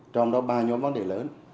trong đó ba nhóm vấn đề lớn